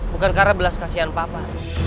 bukan karena belas kasihan papa